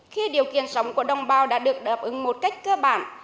khi điều kiện sống của đồng bào đã được đáp ứng một cách cơ bản